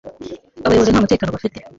abayobozi nta mutekano bafite